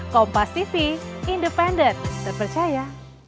kompas tv independen terpercaya